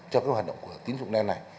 cho cái hoạt động của tín dụng đen này